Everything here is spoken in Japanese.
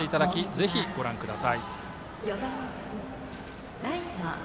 ぜひ、ご覧ください。